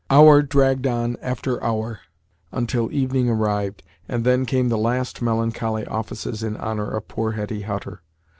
Hour dragged on after hour until evening arrived, and then came the last melancholy offices in honor of poor Hetty Hutter.